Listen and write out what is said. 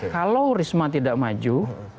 kalau risma tidak maju